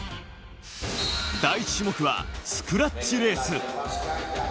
第１種目はスクラッチレース。